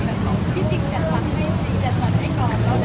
เชิญกับจัดเทียนจัดขาเราหมดเลยไม่ให้เราทำมาหากินเลยเหรอคะ